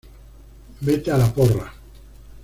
Vete a la porra